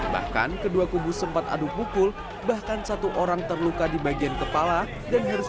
bahkan kedua kubu sempat aduk pukul bahkan satu orang terluka di bagian kepala dan harus